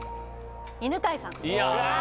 犬飼さん。